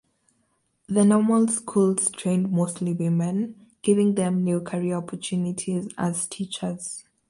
The normal schools trained mostly women, giving them new career opportunities as teachers.